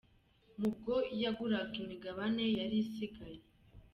mu ubwo yaguraga imigabane yari isigaye.